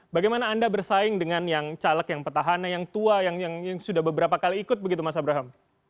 bagaimana anda bersaing dengan yang caleg yang petahana yang tua yang sudah beberapa kali ikut begitu mas abraham